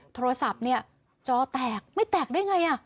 โทรศัพท์เนี่ยจอแตกไม่แตกได้ไง